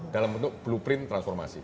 dalam bentuk blueprint transformasi